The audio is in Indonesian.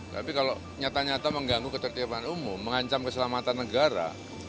tapi kalau nyata nyata mengganggu ketertiban umum mengancam keselamatan negara